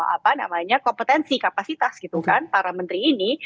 apa namanya kompetensi kapasitas gitu kan para menteri ini